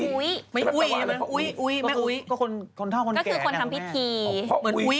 ก็คือคนทำพิธี